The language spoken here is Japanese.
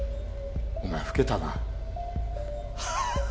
お前老けたな。